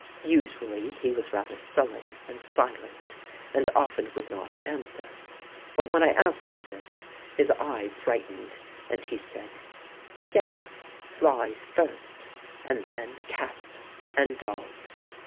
Usually he was rather sullen and silent, and often would not answer; but when I asked him this, his eye brightened, and he said, ' Yes, flies first, and then cats and dogs.'